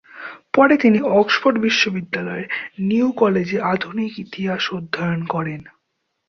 পরে তিনি অক্সফোর্ড বিশ্ববিদ্যালয়ের নিউ কলেজে আধুনিক ইতিহাস অধ্যয়ন করেন।